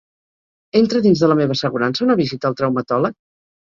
Entra dins de la meva assegurança una visita al traumatòleg?